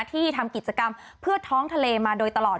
ที่ทำกิจกรรมเพื่อท้องทะเลมาโดยตลอด